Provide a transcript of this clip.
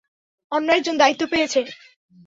অন্য একজন দায়িত্ব পেয়েছে।